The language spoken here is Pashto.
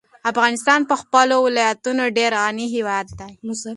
افغانستان په خپلو ولایتونو ډېر غني هېواد دی.